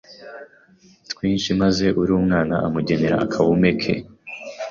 twinshi maze uri mwana amugenera akaume ke